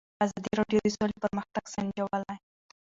ازادي راډیو د سوله پرمختګ سنجولی.